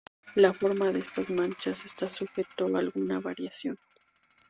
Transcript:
La forma de estas manchas está sujeto a alguna variación.